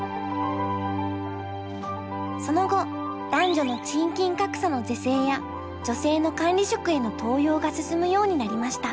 その後男女の賃金格差の是正や女性の管理職への登用が進むようになりました。